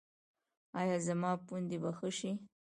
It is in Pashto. ایا زما پوندې به ښې شي؟